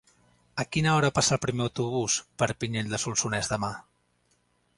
A quina hora passa el primer autobús per Pinell de Solsonès demà?